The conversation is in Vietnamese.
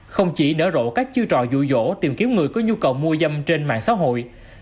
không chỉ nở rộ các chư trò dụ dỗ tìm kiếm người có nhu cầu mô giâm trên mạng xã hội